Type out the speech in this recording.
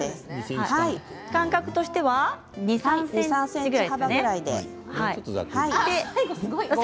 間隔としては２、３ｃｍ幅ぐらいで。